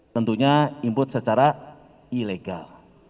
tentunya input secara ilegal